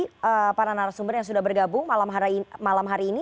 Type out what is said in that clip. terima kasih para narasumber yang sudah bergabung malam hari ini